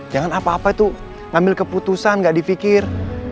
jangan apa apa itu ngambil keputusan gak dipikir